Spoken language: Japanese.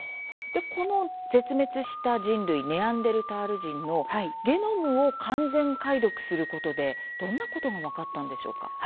この絶滅した人類ネアンデルタール人のゲノムを完全解読することでどんなことが分かったんでしょうか。